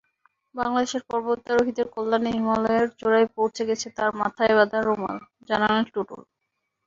বাংলাদেশের পর্বতারোহীদের কল্যাণে হিমালয়ের চূড়ায় পৌঁছে গেছে তাঁর মাথায় বাঁধা রুমাল—জানালেন টুটুল।